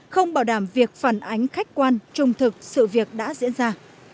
không bảo đảm việc phản ánh khách quan trung thực sự việc đã diễn ra